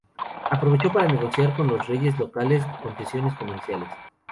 Aprovechó para negociar con los reyes locales concesiones comerciales.